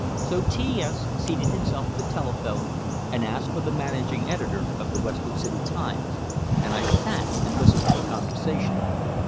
So T S seated himself at the telephone, and asked for the managing editor of the Western City "Times," and I sat and listened to the conversation.